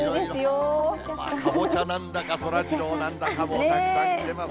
カボチャなんだか、そらジローなんだか、もうたくさん来てますね。